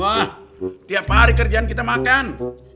wah tiap hari kerjaan kita makan